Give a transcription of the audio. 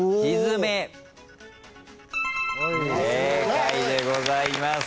正解でございます。